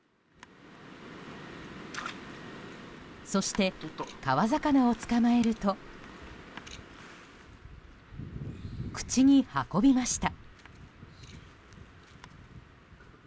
そして、川魚を捕まえると口に運びました。